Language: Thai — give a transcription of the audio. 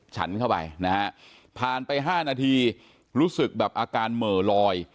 ฉันเข้าไปนะฮะผ่านไป๕นาทีรู้สึกแบบอาการเหม่อลอย